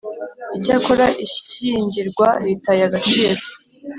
Icyakora ishyingirwa ritaye agaciro